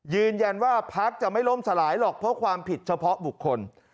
พักจะไม่ล่มสลายหรอกเพราะความผิดเฉพาะบุคคล